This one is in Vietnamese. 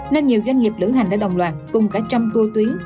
nên nhiều doanh nghiệp lữ hành đã đồng loạt cùng cả trăm tour tuyến